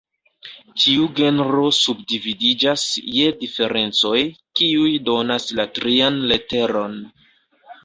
Ĉiu Genro subdividiĝas je "Diferencoj", kiuj donas la trian leteron.